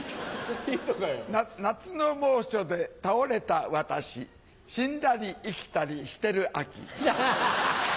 夏の猛暑で倒れた私死んだり生きたりしてる秋。